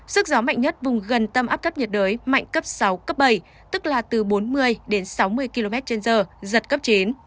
sức gió mạnh nhất vùng gần tâm áp thấp nhiệt đới mạnh cấp sáu cấp bảy tức là từ bốn mươi đến sáu mươi km trên giờ giật cấp chín